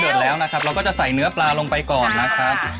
แล้วนะครับเราก็จะใส่เนื้อปลาลงไปก่อนนะครับ